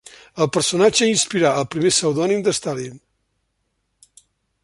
El personatge inspirà el primer pseudònim de Stalin.